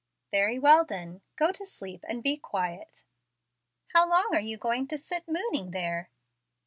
"Very well then, go to sleep and be quiet." "How long are you going to sit 'mooning' there?"